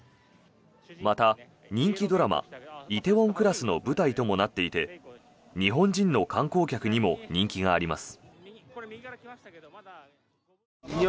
また人気ドラマ「梨泰院クラス」の舞台ともなっていて日本人の観光客にも人気があります。